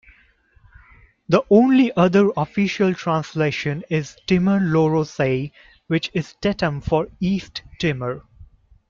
The only other official translation is "Timor Loro'sae", which is Tetum for "East Timor".